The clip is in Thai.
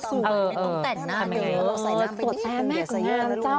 ไม่ต้องแต่นหน้าเลยตัวแต่แม่ก็งามเจ้า